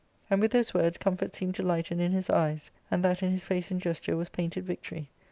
And with those words comfort seemed to lighten in his eyes ; and that in his face and gesture was painted victory.